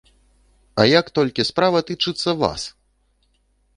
А як толькі справа тычыцца вас!